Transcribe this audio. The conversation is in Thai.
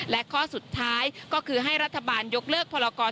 และข้อสุดท้ายก็คือให้รัฐบาลยกเลิกพรกร